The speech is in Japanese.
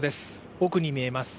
奥に見えます。